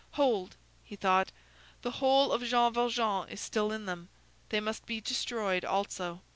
"Hold!" he thought; "the whole of Jean Valjean is still in them. They must be destroyed also."